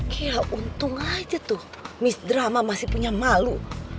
gila untung aja tuh miss drama masih punya malu